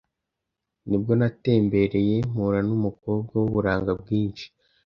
nibwo natembereye mpura n’umukobwa w’uburanga bwinshi,